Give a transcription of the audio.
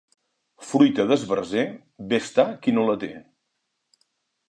Fruita d'esbarzer, bé està qui no la té.